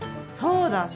そうだ！